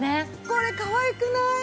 これかわいくない？